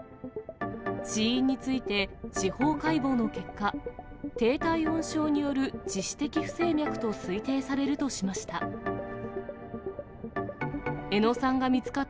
死因について、司法解剖の結果、低体温症による致死的不整脈と推定されるとしました。